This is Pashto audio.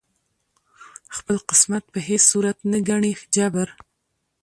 خپل قسمت په هیڅ صورت نه ګڼي جبر